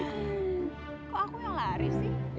kok aku yang lari sih